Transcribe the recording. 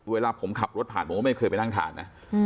เวลาผมขับรถผ่านผมก็ไม่เคยไปนั่งทานนะ